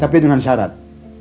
tapi dengan syarat